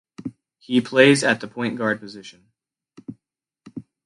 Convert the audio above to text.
He plays at the point guard position.